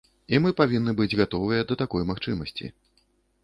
І мы павінны быць гатовыя да такой магчымасці.